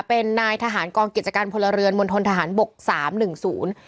เป็นนายทหารกองกิจการพลเรือนมณฑนทหารบกสามหนึ่งศูนย์